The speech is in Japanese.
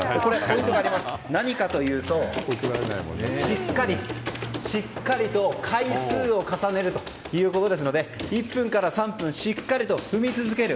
大事なことは何かというとしっかりと回数を重ねることですので１分から３分しっかりと踏み続ける。